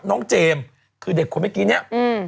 เจมส์คือเด็กคนเมื่อกี้เนี่ย